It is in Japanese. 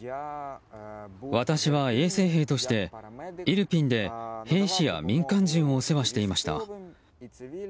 私は衛生兵として、イルピンで兵士や民間人をお世話していました。